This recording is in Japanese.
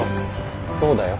そうだよ！